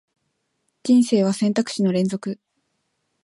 人生は選択肢の連続